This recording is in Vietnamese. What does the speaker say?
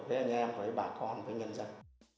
với anh em với bà con với nhân dân